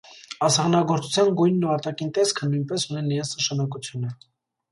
Ասեղնագործության գույնն ու արտաքին տեսքը նույնպես ունեն իրենց նշանակությունը։